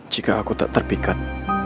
jika aku tak terpikat